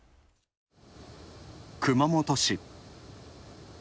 熊本市。